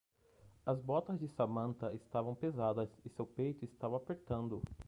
As botas de Samantha estavam pesadas e seu peito estava apertando.